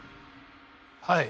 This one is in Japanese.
はい。